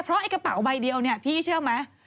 เพราะไอ้กระเป๋าใบเดียวเนี่ยพี่เชื่อไหม